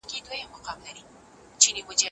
زه له تېرې اونۍ راهیسې په تمرین کي یم.